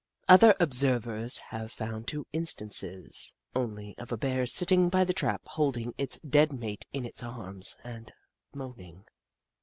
Other observers have found two instances only of a Bear sitting by the trap, holding its dead mate in its arms, and moaning.